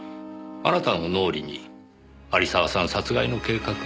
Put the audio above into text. あなたの脳裏に有沢さん殺害の計画が浮かんだ。